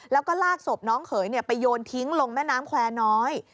แล้วก็ลากศพน้องเขยไปโยนทิ้งลงแม่น้ำแควร์น้อย